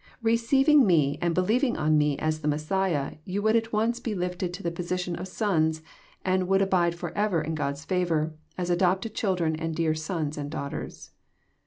— Receiv ing Me and believing on Me as the Messiah, you would at once be lifted to the position of sons, and would abide forever in God's favour, as adopted children and dear sons and daughters.